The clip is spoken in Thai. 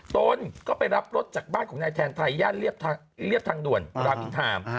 ตนก็ไปรับรถจากบ้านของนายแทนไทยย่านเรียบทางด่วนรามอินทาม